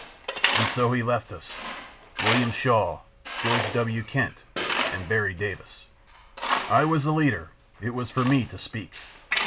"And so he left us—William Shaw, George W. Kent and Berry Davis. "I was the leader: it was for me to speak.